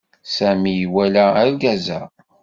Sami iwala argaz-a.